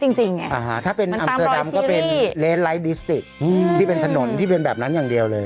จริงจริงเนี้ยอ่าฮะถ้าเป็นก็เป็นที่เป็นถนนที่เป็นแบบนั้นอย่างเดียวเลย